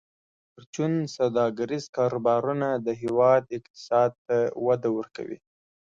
پرچون سوداګریز کاروبارونه د هیواد اقتصاد ته وده ورکوي.